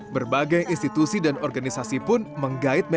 berbagai institusi dan organisasi pun menggait media